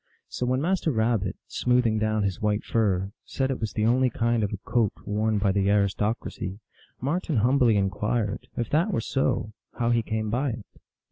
So when Master Rabbit, smoothing down his white fur, said it was the only kind of a coat worn by the aristocracy, Marten humbly inquired, " if that were so, how he came by it."